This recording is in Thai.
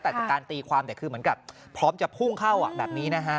แต่จากการตีความแต่คือเหมือนกับพร้อมจะพุ่งเข้าแบบนี้นะฮะ